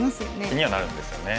気にはなるんですよね。